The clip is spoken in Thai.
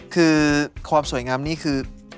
คือความสวยงามนี่คือ